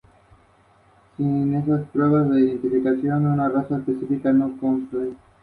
Existían poblados en Tortosa, debajo del actual Parador del Castillo de la Suda.